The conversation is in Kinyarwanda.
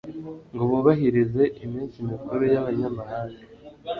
ngo bubahirize iminsi mikuru y'abanyamahanga.